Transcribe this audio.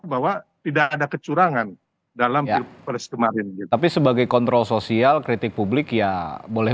bahwa tidak ada kecurangan dalam pilpres kemarin tapi sebagai kontrol sosial kritik publik ya boleh